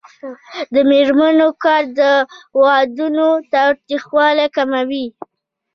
د میرمنو کار د ودونو تاوتریخوالی کموي.